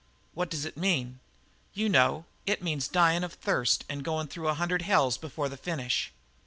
What does it mean? You know; it means dyin' of thirst and goin' through a hundred hells before the finish.